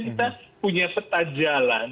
kita punya peta jalan